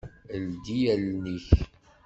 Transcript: Ldi allen-ik!